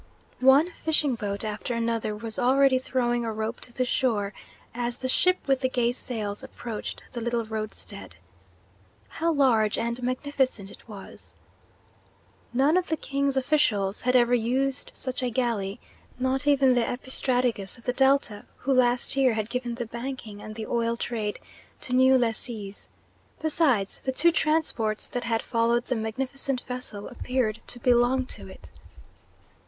One fishing boat after another was already throwing a rope to the shore, as the ship with the gay sails approached the little roadstead. How large and magnificent it was! None of the king's officials had ever used such a galley, not even the epistrategus of the Delta, who last year had given the banking and the oil trade to new lessees. Besides, the two transports that had followed the magnificent vessel appeared to belong to it.